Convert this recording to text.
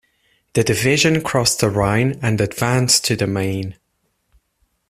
The division crossed the Rhine and advanced to the Main.